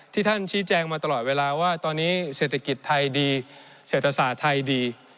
ท่านชี้แจงมาตลอดเวลาว่าตอนนี้เศรษฐกิจไทยดีเศรษฐศาสตร์ไทยดี